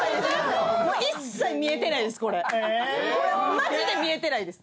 マジで見えてないです。